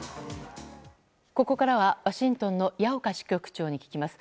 ここからはワシントンの矢岡支局長に聞きます。